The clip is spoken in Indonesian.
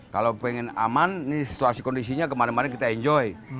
kalau pengen aman ini situasi kondisinya kemarin kemarin kita enjoy